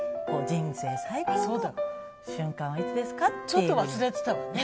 ちょっと忘れてたわね。